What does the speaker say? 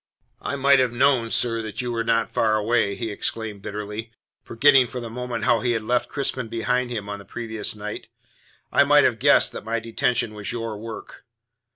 "I might have known, sir, that you were not far away," he exclaimed bitterly, forgetting for the moment how he had left Crispin behind him on the previous night. "I might have guessed that my detention was your work."